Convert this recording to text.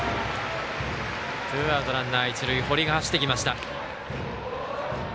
ツーアウト、ランナー、一塁堀が走ってきました。